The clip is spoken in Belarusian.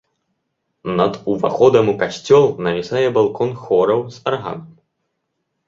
Над уваходам у касцёл навісае балкон хораў з арганам.